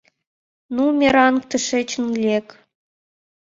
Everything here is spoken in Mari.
— Ну, «мераҥ», тышечын лек!